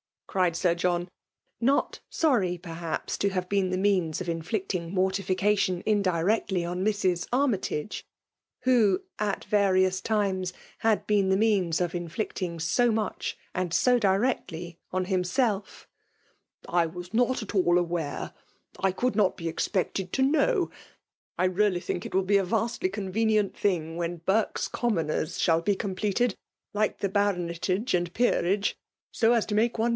cried Sir John, not sorry, perhAps, ib have tiepn .the rooana of inflicting mortificalioil indirectly pn Mrs. Army tage, who, at vuxui^B times^ had been the means of inflicting ^so much and .so dircfctly on himself; ''I wa&noft at jEdl awfire, — I could not be expected to knoNV I really think it will .be a va&dgr convenient thing when \ Burke s. Commoners' shall be completed, like the. Baronetage and Peerage, so as to make one.